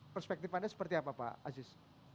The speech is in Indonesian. perspektif anda seperti apa pak aziz